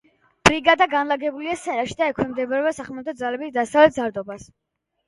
ბრიგადა განლაგებულია სენაკში და ექვემდებარება სახმელეთო ძალების დასავლეთ სარდლობას.